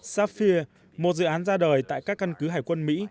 safia một dự án ra đời tại các căn cứ hải quân mỹ